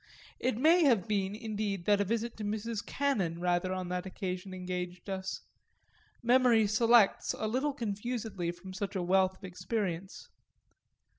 It may have been indeed that a visit to Mrs. Cannon rather on that occasion engaged us memory selects a little confusedly from such a wealth of experience.